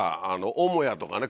母屋とかね